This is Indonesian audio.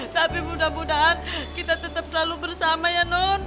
tapi mudah mudahan kita tetap selalu bersama ya non